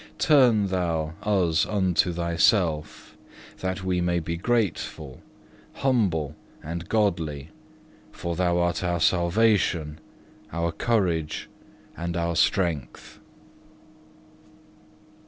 Turn Thou us unto Thyself, that we may be grateful, humble, and godly, for Thou art our salvation, our courage, and our strength.